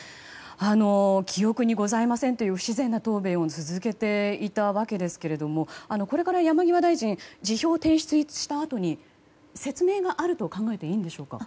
記憶にございませんという不自然な答弁を続けていたわけですがこれから山際大臣辞表を提出したあとに説明があると考えていいんでしょうか。